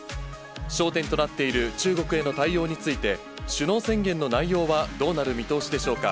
焦点となっている中国への対応について、首脳宣言の内容はどうなる見通しでしょうか。